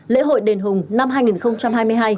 lễ hội đền hùng năm hai nghìn hai mươi hai